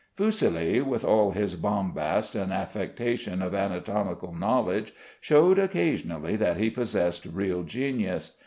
Fuseli, with all his bombast and affectation of anatomical knowledge, showed occasionally that he possessed real genius.